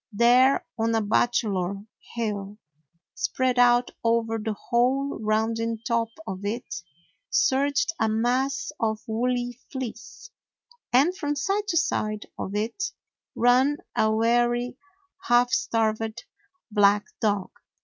There, on a "bachelor" hill, spread out over the whole rounding top of it, surged a mass of woolly fleece, and from side to side of it ran a weary, half starved black dog.